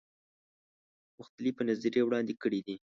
مختلفي نظریې وړاندي کړي دي.